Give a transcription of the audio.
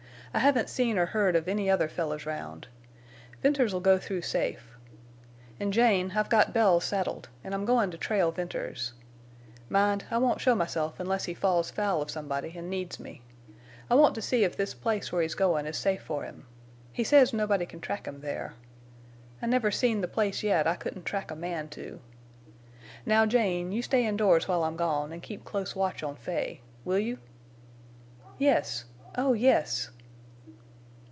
I haven't seen or heard of any other fellers round. Venters'll go through safe. An', Jane, I've got Bells saddled, an' I'm going to trail Venters. Mind, I won't show myself unless he falls foul of somebody an' needs me. I want to see if this place where he's goin' is safe for him. He says nobody can track him there. I never seen the place yet I couldn't track a man to. Now, Jane, you stay indoors while I'm gone, an' keep close watch on Fay. Will you?" "Yes! Oh yes!"